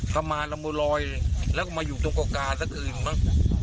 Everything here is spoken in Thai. ไปยาหลมโรยมากินตรงเกาะกาสักอื่น